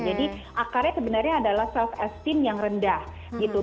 jadi akarnya sebenarnya adalah self esteem yang rendah gitu